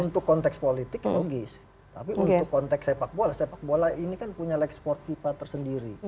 untuk konteks politik logis tapi untuk konteks sepak bola sepak bola ini kan punya lag sport pipa tersendiri